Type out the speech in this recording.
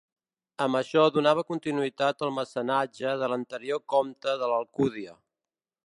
Amb això donava continuïtat al mecenatge de l'anterior comte de l'Alcúdia.